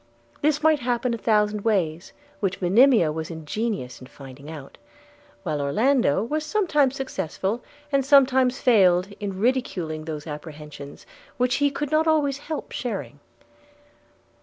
This might happen a thousand ways, which Monimia was ingenious in finding out; while Orlando was sometimes successful, and sometimes failed, in ridiculing those apprehensions which he could not always help sharing.